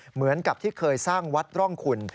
เหมือนกับที่เคยสร้างวัดร่องคุณ